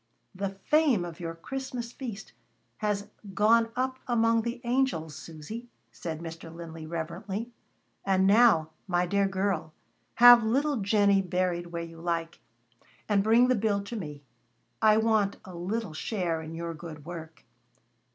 "The fame of your Christmas feast has gone up among the angels, Susy," said Mr. Linley reverently. "And now, my dear girl, have little Jennie buried where you like, and bring the bill to me. I want a little share in your good work."